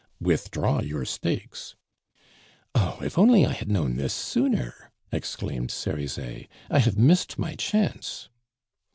"Withdraw your stakes." "Oh! if only I had known this sooner!" exclaimed Cerizet. "I have missed my chance!"